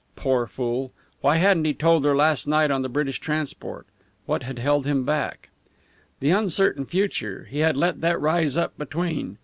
Poor fool! Why hadn't he told her that last night on the British transport? What had held him back? The uncertain future he had let that rise up between.